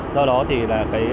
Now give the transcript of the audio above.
do đó thì là cái